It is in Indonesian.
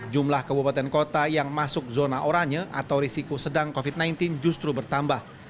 jumlah kabupaten kota yang masuk zona oranye atau risiko sedang covid sembilan belas justru bertambah